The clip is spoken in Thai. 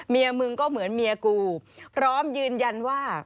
เมียมึงก็เหมือนเมียกูพร้อมยืนยันว่า